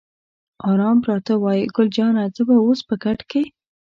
آرام پراته وای، ګل جانه به اوس په کټ کې.